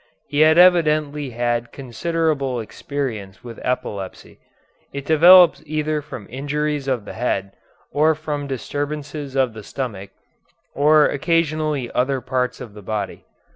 He had evidently had considerable experience with epilepsy. It develops either from injuries of the head or from disturbances of the stomach, or occasionally other parts of the body.